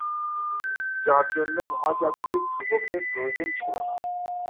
যার জন্য মহাজাগতিক ধ্রুবকের প্রয়োজন ছিলো না।